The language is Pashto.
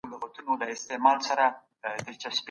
د وچکالی مخنیوی د ټولو ګډ مسوولیت دی.